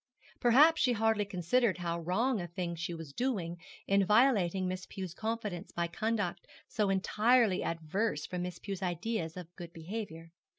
Perhaps she hardly considered how wrong a thing she was doing in violating Miss Pew's confidence by conduct so entirely averse from Miss Pew's ideas of good behaviour.